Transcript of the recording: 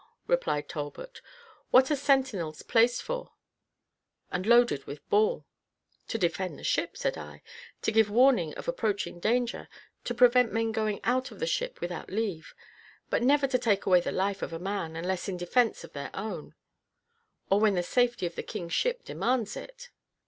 replied Talbot, "what are sentinels placed for, and loaded with ball?" "To defend the ship," said I; "to give warning of approaching danger; to prevent men going out of the ship without leave; but never to take away the life of a man unless in defence of their own, or when the safety of the king's ship demands it."